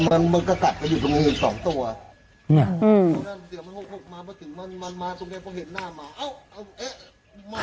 มันก็กัดไปอยู่ตรงนี้๒ตัวเนี่ยอืม